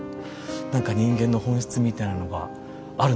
何か人間の本質みたいなのがあるのかなっていう。